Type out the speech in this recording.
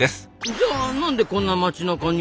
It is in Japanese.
じゃあなんでこんな街なかに？